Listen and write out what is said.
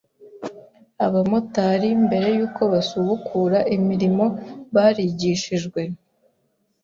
Abamotari mbere y’uko basubukura imirimo barigishijwe